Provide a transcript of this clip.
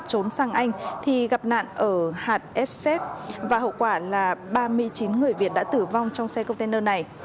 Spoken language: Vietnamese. trốn sang anh thì gặp nạn ở hạt ssep và hậu quả là ba mươi chín người việt đã tử vong trong xe container này